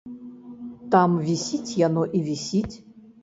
Там вісіць яно і вісіць.